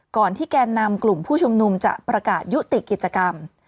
ก่อนที่แกนนำกลุ่มผู้ชุมนุมจะประกาศยุติกิจกรรม